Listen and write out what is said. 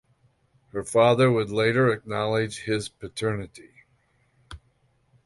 Her father would later acknowledge his paternity.